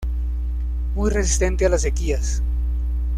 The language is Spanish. Muy resistente a las sequías.